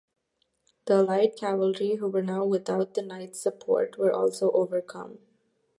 The light cavalry, who were now without the knights' support, were also overcome.